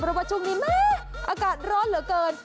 รู้ประชุมนี้อากาศร้อนเหลือเกิน